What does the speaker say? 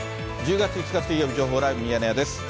１０月５日水曜日、情報ライブミヤネ屋です。